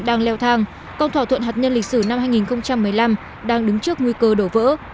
đang leo thang công thỏa thuận hạt nhân lịch sử năm hai nghìn một mươi năm đang đứng trước nguy cơ đổ vỡ